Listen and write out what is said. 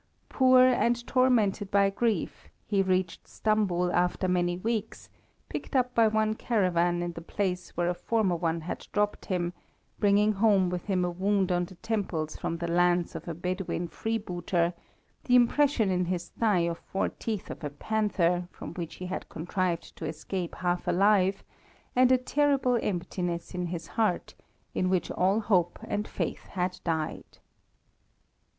Poor, and tormented by grief, he reached Stambul after many weeks, picked up by one caravan in the place where a former one had dropped him, bringing home with him a wound on the temples from the lance of a Bedouin freebooter, the impression in his thigh of four teeth of a panther, from which he had contrived to escape half alive, and a terrible emptiness in his heart, in which all hope and faith had died.